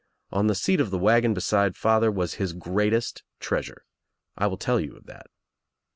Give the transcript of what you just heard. On the seat of the wagon beside father was his greatest treasure. 1 will tell you of that.